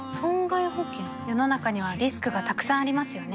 世の中にはリスクがたくさんありますよね